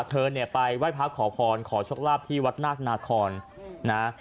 เธอเนี่ยไปไหว้พระขอพรขอโชคลาภที่วัดนาคนาคอนนะ